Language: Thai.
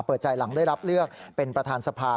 เปิดใจหลังได้รับเลือกเป็นประธานสภา